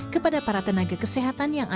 kepada para tenaga kesehatan yang ada